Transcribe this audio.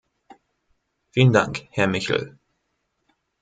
Vielen Dank, Herr Michel.